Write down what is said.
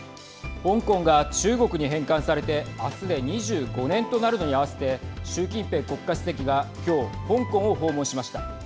香港が中国に返還されてあすで２５年となるのに合わせて習近平国家主席がきょう香港を訪問しました。